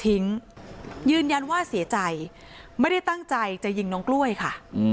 ยืนยันว่าเสียใจไม่ได้ตั้งใจจะยิงน้องกล้วยค่ะ